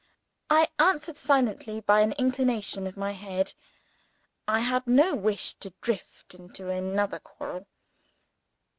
I answered silently, by an inclination of my head. I had no wish to drift into another quarrel.